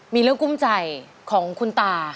มีเรื่องกุ้มใจของคุณตา